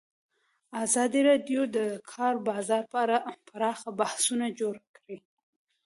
ازادي راډیو د د کار بازار په اړه پراخ بحثونه جوړ کړي.